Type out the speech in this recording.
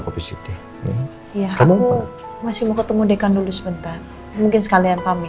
kofisik deh iya kamu masih mau ketemu dekan dulu sebentar mungkin sekalian pamit